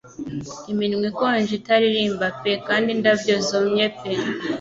Iminwa ikonje itaririmba pe kandi indabyo zumye pe